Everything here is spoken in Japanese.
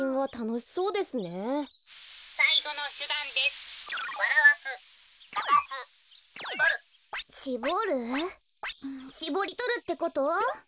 しぼりとるってこと？